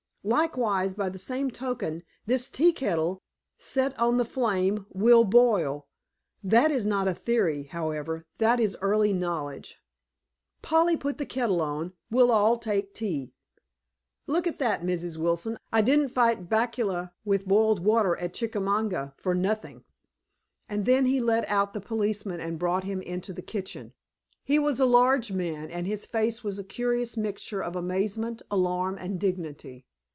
Likewise, by the same token, this tea kettle, set on the flame, will boil. That is not theory, however, that is early knowledge. 'Polly, put the kettle on; we'll all take tea.' Look at that, Mrs. Wilson. I didn't fight bacilli with boiled water at Chickamauga for nothing." And then he let out the policeman and brought him into the kitchen. He was a large man, and his face was a curious mixture of amazement, alarm and dignity.